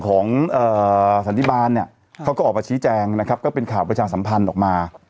สันติบาลเนี่ยเขาก็ออกมาชี้แจงนะครับก็เป็นข่าวประชาสัมพันธ์ออกมา